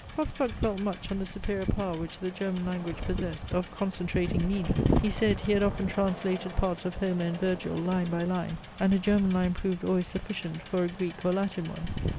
Klopstock dwelt much on the superior power which the German language possessed of concentrating meaning. He said, he had often translated parts of Homer and Virgil, line by line, and a German line proved always sufficient for a Greek or Latin one.